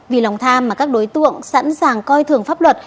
vì lòng tham mà các đối tượng sẵn sàng coi thường pháp luật